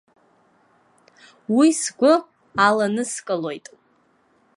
Уи сгәы аланыскылоит.